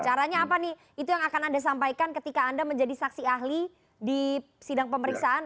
caranya apa nih itu yang akan anda sampaikan ketika anda menjadi saksi ahli di sidang pemeriksaan